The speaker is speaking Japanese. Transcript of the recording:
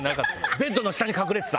ベッドの下に隠れてた。